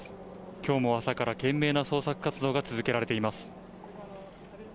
きょうも朝から懸命な捜索活動が続けられています。